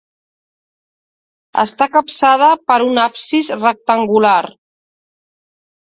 Està capçada per un absis rectangular.